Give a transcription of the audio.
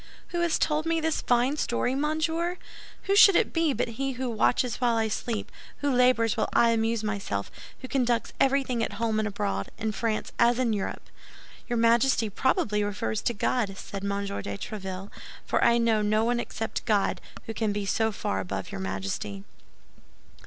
"Who has told me this fine story, monsieur? Who should it be but he who watches while I sleep, who labors while I amuse myself, who conducts everything at home and abroad—in France as in Europe?" "Your Majesty probably refers to God," said M. de Tréville; "for I know no one except God who can be so far above your Majesty."